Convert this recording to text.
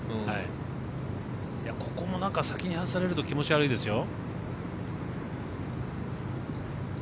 ここも先にやらされると気持ち悪いですよ。